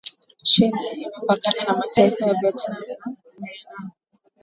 China imepakana na mataifa ya Vietnam na Myanmar